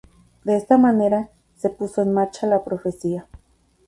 De esta manera, se puso en marcha la profecía.